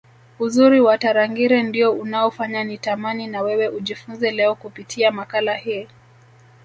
Uzuri wa Tarangire ndio unaofanya nitamani na wewe ujifunze leo kupitia makala hii